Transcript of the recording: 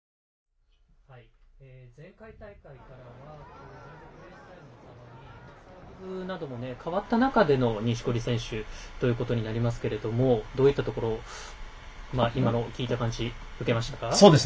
前回大会からはプレースタイルも変わった中での錦織選手となりますがどういったところ今の聞いた感じ受けましたか？